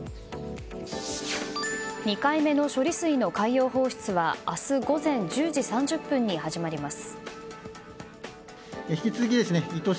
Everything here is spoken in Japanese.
２回目の処理水の海洋放出は明日午前１０時３０分に始まります。